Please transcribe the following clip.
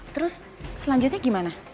terus selanjutnya gimana